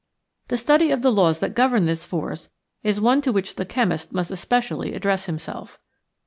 The study of the laws that govern this force is one to which the chemist must especially address himself.